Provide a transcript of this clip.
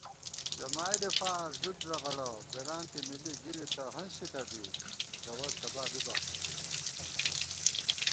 جمائیدے فار ݫُد ݫغڑہ بېرانتے مِلی گِرِتہ ہنسِتہ بی گوَر تبا بِبا خو نئ